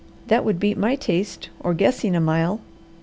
That would beat my taste or guessing a mile."